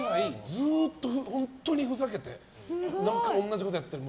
ずっと本当にふざけて同じこと何回もやってる。